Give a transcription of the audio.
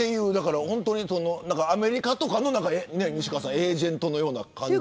アメリカとかのね、西川さんエージェントのような。